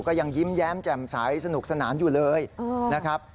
ก็ยังยิ้มแย้มแจ่มใสสนุกสนานอยู่เลยนะครับ